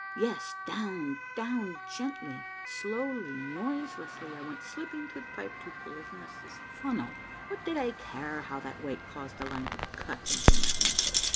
Yes, down, down, gently, slowly, noiselessly, I went slipping through the pipe to Polyphemus' Funnel. What did I care how that weight caused the line to cut into my ankles